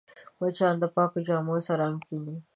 مچان د پاکو جامو سره هم کښېني